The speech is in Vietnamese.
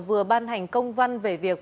vừa ban hành công văn về việc